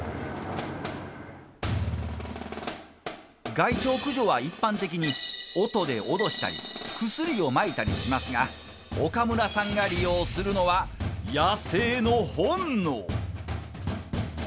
害鳥駆除は一般的に音で脅したり薬をまいたりしますが岡村さんが利用するのは野生の本能。